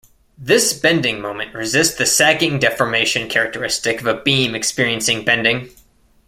This bending moment resists the sagging deformation characteristic of a beam experiencing bending.